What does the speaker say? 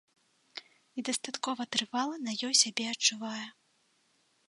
І дастаткова трывала на ёй сябе адчувае.